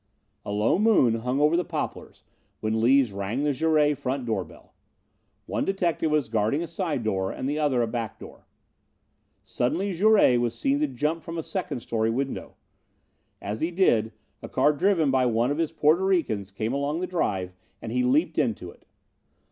A low moon hung over the poplars when Lees rang the Jouret front door bell. One detective was guarding a side door and the other a back door. Suddenly Jouret was seen to jump from a second story window. As he did, a car driven by one of his Porto Ricans came along the drive and he leaped into it.